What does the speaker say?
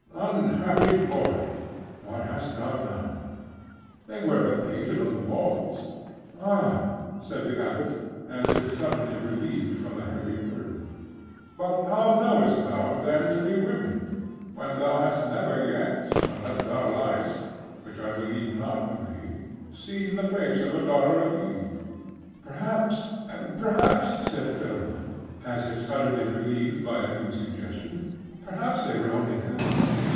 Unhappy boy! What hast thou done?' 'They were but painted on the walls.' 'Ah!' said the abbot, as if suddenly relieved from a heavy burden. 'But how knewest thou them to be women, when thou hast never yet, unless thou liest which I believe not of thee seen the face of a daughter of Eve?' 'Perhaps perhaps,' said Philammon, as if suddenly relieved by a new suggestion 'perhaps they were only devils.